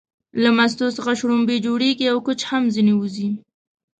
له مستو څخه شلومبې جوړيږي او کوچ هم ځنې وځي